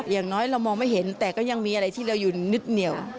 อย่างน้อยเรามองไม่เห็นแต่ก็ยังมีอะไรที่เราอยู่นึกเหนียว